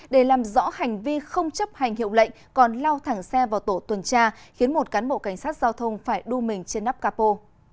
để làm rõ hành vi không chấp hành hiệu lệnh còn lao thẳng xe vào tổ tuần tra khiến một cán bộ cảnh sát giao thông phải đua mình trên nắp capo